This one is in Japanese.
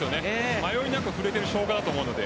迷いなく触れている証拠だと思うので。